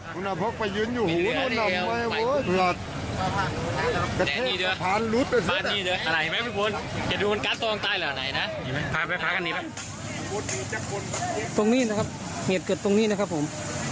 ตรงนี้นะครับเหตุเกิดตรงนี้นะครับผม